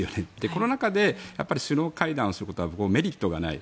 この中で首脳会談をすることはメリットがない。